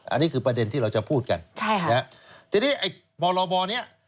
อันนี้คือประเด็นที่เราจะพูดกันนะครับทีนี้ไอ้บอลนี้